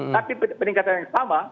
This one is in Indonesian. tapi peningkatan yang sama